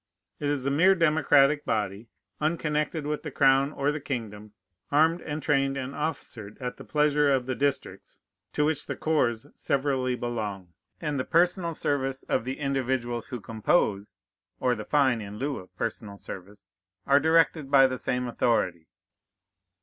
It is a mere democratic body, unconnected with the crown or the kingdom, armed and trained and officered at the pleasure of the districts to which the corps severally belong; and the personal service of the individuals who compose, or the fine in lieu of personal service, are directed by the same authority.